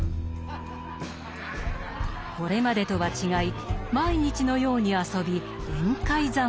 これまでとは違い毎日のように遊び宴会三昧。